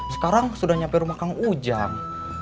sekarang sudah nyampe rumah kang ujang